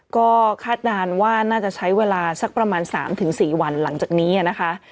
ก็คาดการณ์ว่าน่าจะใช้เวลาสักประมาณ๓๔วันหลังจากนี้นะคะ